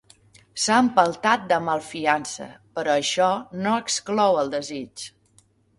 S'ha empeltat de malfiança, però això no exclou el desig.